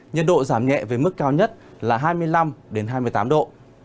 nhiệt độ giảm nhẹ với mức cao nhất là hai mươi năm hai mươi tám độ